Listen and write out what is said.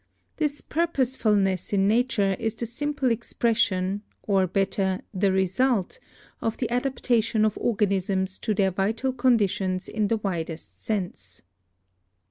This purposefulness in nature is the simple ex 265 266 BIOLOGY pression — or, better, the result — of the adaptation of or ganisms to their vital conditions in the widest sense."